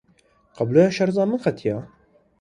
Kabloya şerja min qetiya.